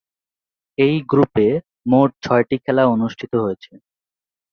এই গ্রুপে মোট ছয়টি খেলা অনুষ্ঠিত হয়েছে।